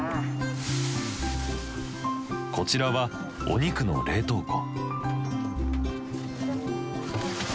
こちらはお肉の冷凍庫。